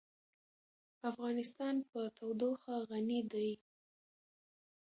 افغانستان په تودوخه غني دی.